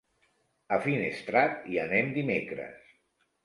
A Finestrat hi anem dimecres.